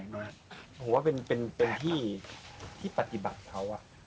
ผมว่าเป็นที่ที่ปฏิบัติเขา